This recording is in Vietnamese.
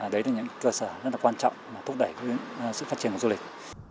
đấy là những cơ sở rất là quan trọng mà thúc đẩy sự phát triển của du lịch